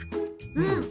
うん。